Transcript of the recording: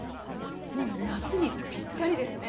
もう夏にぴったりですね。